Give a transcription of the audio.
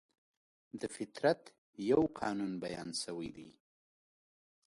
د فطرت یو قانون بیان شوی دی.